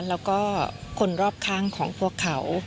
แล้วก็คนรอบข้างของพวกเขา